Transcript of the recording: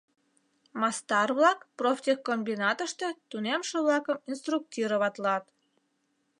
Мастар-влак профтехкомбинатыште тунемше-влакым инструктироватлат.